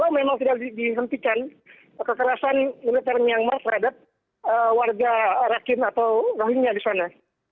kalau memang tidak dihentikan kekerasan militer myanmar terhadap warga rakin atau rohingya disana